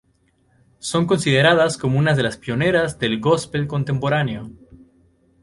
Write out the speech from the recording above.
Son consideradas como unas de las pioneras del gospel contemporáneo.